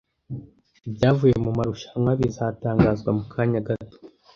Ibyavuye mu marushanwa bizatangazwa mu kanya gato.